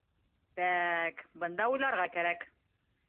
— Тә-әк, бында уйларға кәрәк.